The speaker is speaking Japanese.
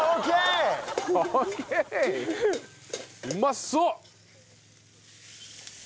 うまそう！